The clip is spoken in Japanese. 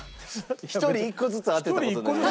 １人１個ずつ当てた事になります。